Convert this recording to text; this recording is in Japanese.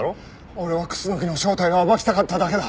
俺は楠木の正体を暴きたかっただけだ。